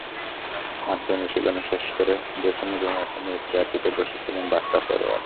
মাত্রই অনুশীলন শেষ করে ড্রেসিংরুমে এসে নিজের চেয়ারটিতে বসেছিলেন বার্সা ফরোয়ার্ড।